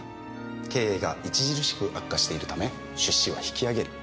経営が著しく悪化しているため出資は引き揚げる。